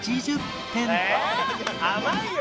甘いよ！